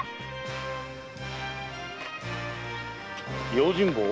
用心棒？